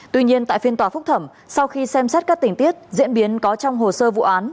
tuy nhiên tại phiên tòa phúc thẩm sau khi xem xét các tình tiết diễn biến có trong hồ sơ vụ án